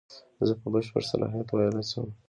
زه په بشپړ صلاحیت ویلای شم.